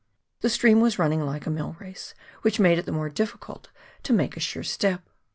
The stream was running like a mill race, which made it the more difficult to make a sure step.